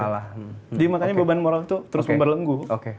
jadi makanya beban moral itu terus membalenggu